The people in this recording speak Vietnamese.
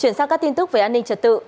chuyển sang các tin tức về an ninh trật tự